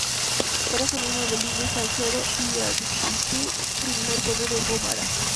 Era sobrino de Luis de Salcedo y Arbizu, primer conde de Gómara.